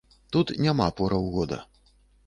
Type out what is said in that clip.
Тут няма пораў года.